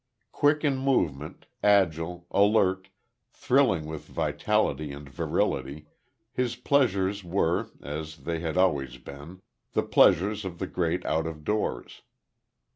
Quick in movement, agile, alert, thrilling with vitality and virility, his pleasures were, as they had always been, the pleasures of the great out of doors.